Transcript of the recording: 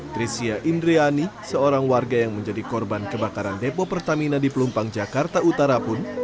trisya indriani seorang warga yang menjadi korban kebakaran depo pertamina di pelumpang jakarta utara pun